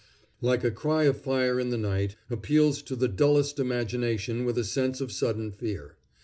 "Like a cry of fire in the night" appeals to the dullest imagination with a sense of sudden fear.